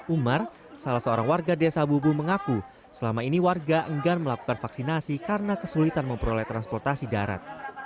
umar salah seorang warga desa bubu mengaku selama ini warga enggan melakukan vaksinasi karena kesulitan memperoleh transportasi darat